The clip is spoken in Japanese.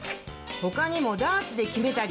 ほかにもダーツで決めたり。